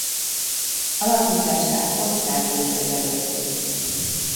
Alakítását Oscar-díjra jelölték.